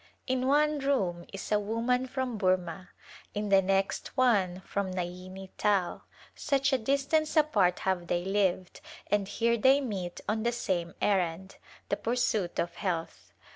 In one room is a woman from Burma, in the next one from Naini Tal — such a distance apart have they lived, and here they meet on the same errand, the pursuit of health.